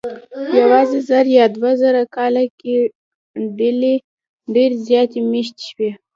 یواځې زر یا دوه زره کاله کې ډلې ډېرې زیاتې مېشتې شوې.